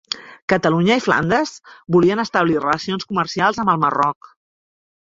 Catalunya i Flandes volien establir relacions comercials amb el Marroc